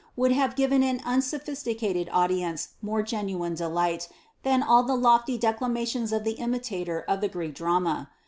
would have ^iren an unsophisticated audience more genuine delight, than all the lofty declamations of the imitator of the Greek drama.